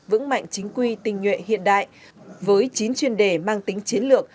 vững mạnh chính quy tình nhuệ hiện đại với chín chuyên đề mang tính chiến lược